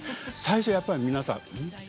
やっぱり皆さん。